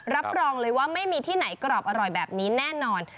รับรองเลยว่าไม่มีที่ไหนกรอบอร่อยแบบนี้แน่นอน